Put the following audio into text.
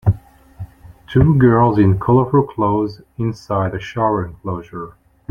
Two girls in colourful clothes inside a shower enclosure.